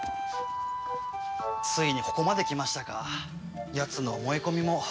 ついにここまできましたかやつの思い込みも。